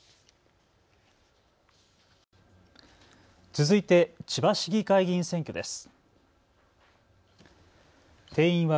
続いて、千葉市議会議員選挙です。